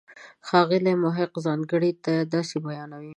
ښاغلی محق ځانګړنې داسې بیانوي.